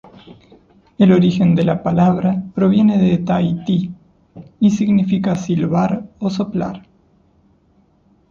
El origen de la palabra proviene de Tahití, y significa "silbar" o "soplar".